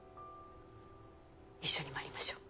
一緒に参りましょう。